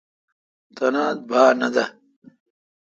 تنا با نہ دہ۔